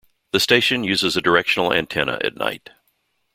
The station uses a directional antenna at night.